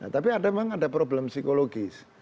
tapi memang ada problem psikologis